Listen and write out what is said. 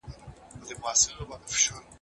زه پرون د سبا لپاره د ليکلو تمرين کوم!